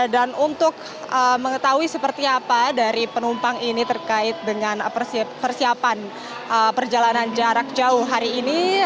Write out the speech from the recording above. dan untuk mengetahui seperti apa dari penumpang ini terkait dengan persiapan perjalanan jarak jauh hari ini